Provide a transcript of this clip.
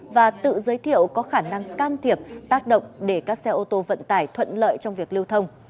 và tự giới thiệu có khả năng can thiệp tác động để các xe ô tô vận tải thuận lợi trong việc lưu thông